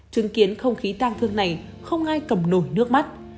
chứng kiến không khí tang thương này không ai cầm nổi nước mắt